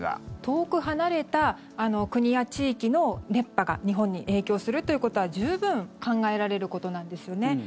遠く離れた国や地域の熱波が日本に影響するということは十分考えられることなんですね。